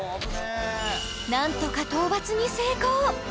なんとか討伐に成功